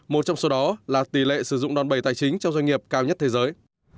một trong số đó là tỷ lệ sử dụng đòn bẩy tài chính cho doanh nghiệp cao nhất thế giới